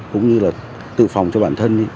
cũng như là tự phòng cho bản thân